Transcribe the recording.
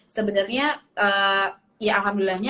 sebenernya ya alhamdulillahnya